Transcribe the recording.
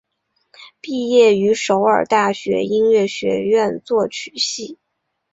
毕业于首尔大学音乐学院作曲系。